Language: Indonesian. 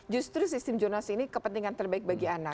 justru sistem jurnalis ini kepentingan terbaik bagi anak